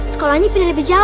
sekolahnya pindah lebih jauh